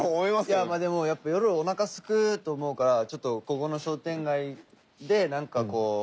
いやでもやっぱ夜おなかすくと思うからちょっとここの商店街でなんかこう。